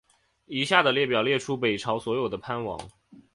以下的列表列出北朝所有的藩王。